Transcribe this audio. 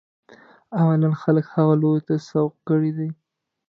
عملاً خلک هغه لوري ته سوق کړي دي.